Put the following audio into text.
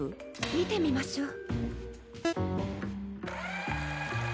見てみましょう。